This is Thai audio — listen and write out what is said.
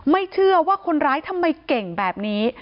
ไม่เชื่อว่าคนร้ายทำไมเก่งแบบนี้